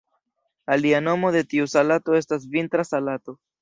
Alia nomo de tiu salato estas "Vintra salato".